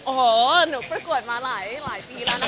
โอ้โหหนูประกวดมาหลายปีแล้วนะคะที่ภูมิคุ้มกันก็สูง